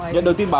nhận được tin báo